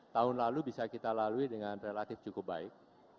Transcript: tahun lalu bisa kita lalui dengan relatif cukup baik